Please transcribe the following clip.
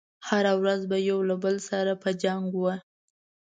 هره ورځ به يو له بل سره په جنګ و.